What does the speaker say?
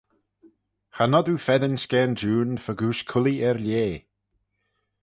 Cha nod oo feddyn scaanjoon fegooish cullee er-lheh.